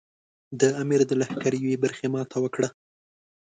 د امیر د لښکر یوې برخې ماته وکړه.